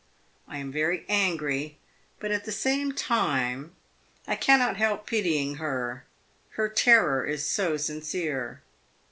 I am very angry, but at the same time I cannot help pitying her, her terror is so sincere.